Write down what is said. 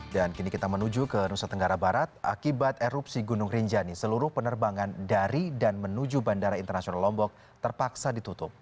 dan kini kita menuju ke nusa tenggara barat akibat erupsi gunung rinjani seluruh penerbangan dari dan menuju bandara internasional lombok terpaksa ditutup